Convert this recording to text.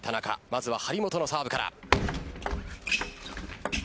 まずは張本のサーブから。